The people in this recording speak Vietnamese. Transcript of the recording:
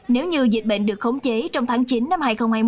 nếu như dịch bệnh được khống chế trong tháng chín năm hai nghìn hai mươi